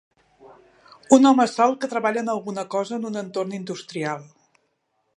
Un home sol que treballa en alguna cosa en un entorn industrial.